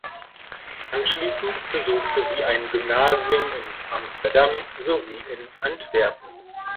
Anschließend besuchte sie ein Gymnasium in Amsterdam sowie in Antwerpen.